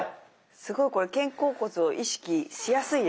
すごいこれ肩甲骨を意識しやすいですねこれ。